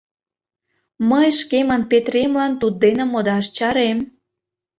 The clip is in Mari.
Мый шкемын Петремлан туддене модаш чарем.